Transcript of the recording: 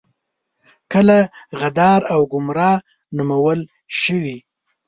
کله غدار او ګمرا نومول شوي.